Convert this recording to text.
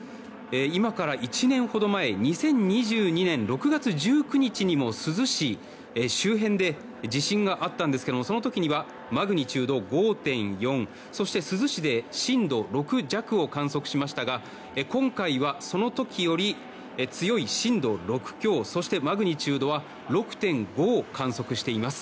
今から１年ほど前２０２２年６月１９日にも珠洲市周辺で地震があったんですけどもその時にはマグニチュード５．４そして珠洲市で震度６弱を観測しましたが今回はその時より強い震度６強そしてマグニチュードは６．５を観測しています。